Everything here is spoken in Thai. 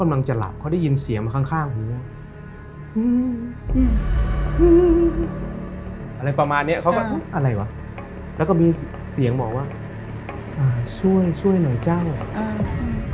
อ่าช่วยช่วยหน่อยเจ้าอ่าก็ไม่ได้ว่าค่อยนะค่ะ